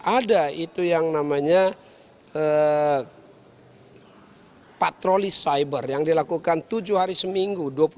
ada itu yang namanya patroli cyber yang dilakukan tujuh hari seminggu